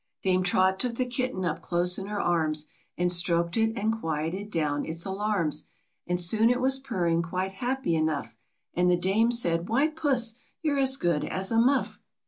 Dame Trot took the kitten up close in her arms, And stroked it, and quieted down its alarms, And soon it was purring quite happy enough, And the Dame said, " Why, puss, you're as good as a muff!